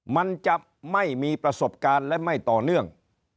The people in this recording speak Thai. มันจะไม่มีประสบการณ์และไม่ต่อเนื่อง